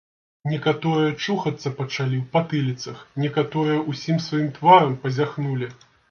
Некаторыя чухацца пачалі ў патыліцах, некаторыя ўсім сваім тварам пазяхнулі.